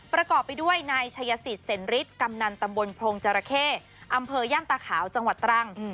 ประกอบไปด้วยนายชัยสิทธิเซ็นฤทธิกำนันตำบลโพรงจราเข้อำเภอย่านตาขาวจังหวัดตรัง